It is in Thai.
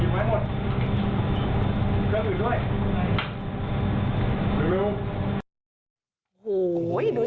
โหดูสิ